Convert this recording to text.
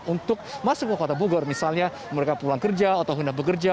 untuk masuk ke kota bogor misalnya mereka pulang kerja atau hendak bekerja